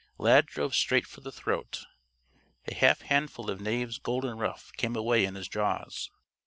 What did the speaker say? Lad drove straight for the throat. A half handful of Knave's golden ruff came away in his jaws.